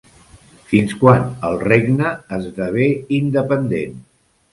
Fins quan el regne esdevé independent?